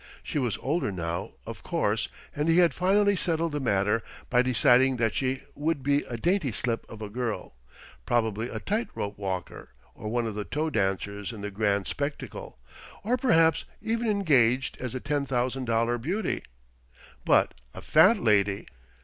She was older now, of course, and he had finally settled the matter by deciding that she would be a dainty slip of a girl probably a tight rope walker or one of the toe dancers in the Grand Spectacle, or perhaps even engaged as the Ten Thousand Dollar Beauty. But a Fat Lady!